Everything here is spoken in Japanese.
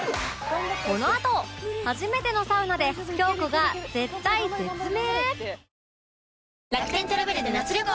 このあと初めてのサウナで京子が絶体絶命？